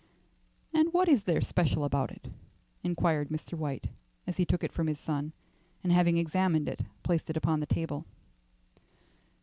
"And what is there special about it?" inquired Mr. White as he took it from his son, and having examined it, placed it upon the table.